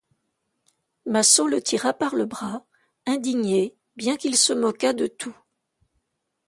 Massot le tira par le bras, indigné, bien qu'il se moquât de tout.